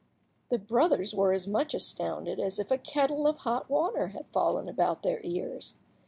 The brothers were as much astounded as if a kettle of hot water had fallen about their ears.